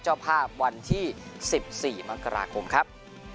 เจ้าภาพวันที่๑๔มกราคมครับ